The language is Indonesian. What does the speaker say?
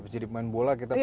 jadi pemain bola kita pengen